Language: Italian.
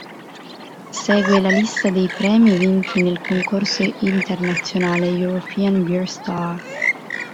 Segue la lista dei premi vinti nel concorso internazionale European Beer Star.